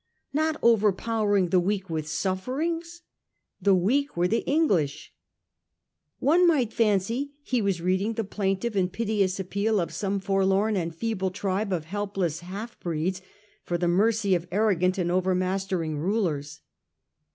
Not overpowering the weak with sufferings ! The weak were the Eng lish ! One might fancy he was reading the plaintive and piteous appeal of some forlorn and feeble tribe of helpless half breeds for the mercy of arrogant and mastering rulers.